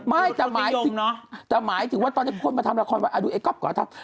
ไม่แต่หมายถึงแต่หมายถึงว่าตอนนี้คนมาทำละครว่าดูไอ้ก๊อบก่อนทำ